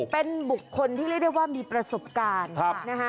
เป็นบุคคลที่เรียกได้ว่ามีประสบการณ์นะฮะ